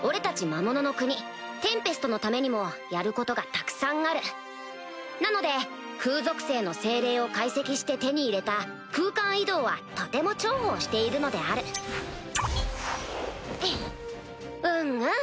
ためにもやることがたくさんあるなので空属性の精霊を解析して手に入れた空間移動はとても重宝しているのであるうんうん！